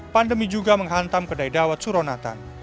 pandemi juga menghantam kedai dawet suronatan